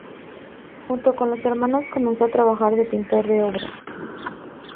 Junto con los hermanos comenzó a trabajar de pintor de obras.